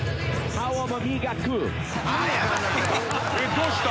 どうした？